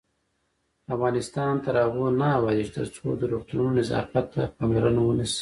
افغانستان تر هغو نه ابادیږي، ترڅو د روغتونونو نظافت ته پاملرنه ونشي.